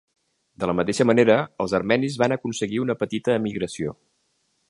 De la mateixa manera, els armenis van aconseguir una petita emigració.